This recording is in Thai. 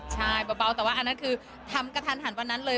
ใช่เบาแต่ว่าอันนั้นคือทำกระทันหันวันนั้นเลย